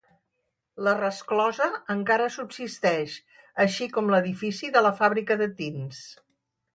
La resclosa encara subsisteix, així com l'edifici de la fàbrica de tints.